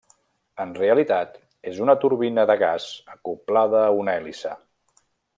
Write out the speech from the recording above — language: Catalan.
En realitat és una turbina de gas acoblada a una hèlice.